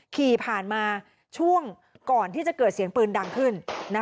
ขี่ผ่านมาช่วงก่อนที่จะเกิดเสียงปืนดังขึ้น